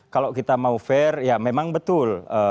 kalau kita mau fair ya memang betul